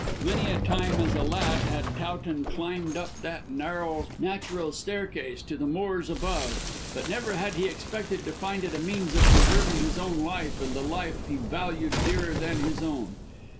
Many a time as a lad had Towton climbed up that narrow natural staircase to the moors above, but never had he expected to find it a means of preserving his own life and the life he valued dearer than his own.